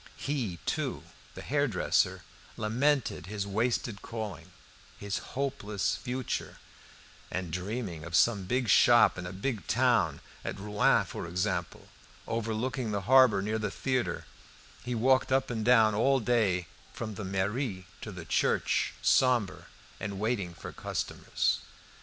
He, too, the hairdresser, lamented his wasted calling, his hopeless future, and dreaming of some shop in a big town at Rouen, for example, overlooking the harbour, near the theatre he walked up and down all day from the mairie to the church, sombre and waiting for customers.